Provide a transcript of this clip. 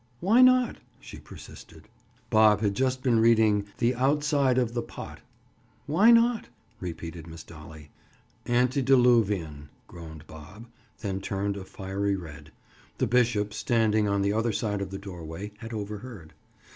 "Why not?" she persisted. Bob had just been reading The Outside of the Pot. "Why not?" repeated Miss Dolly. "Antediluvian!" groaned Bob, then turned a fiery red. The bishop, standing on the other side of the doorway, had overheard.